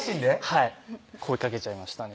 はい声かけちゃいましたね